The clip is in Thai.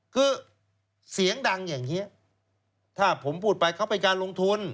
คือเสียงดังอย่างนี้ถ้าผมพูดไปเขาเป็นการลงทุน